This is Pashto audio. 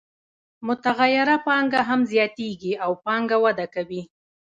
متغیره پانګه هم زیاتېږي او پانګه وده کوي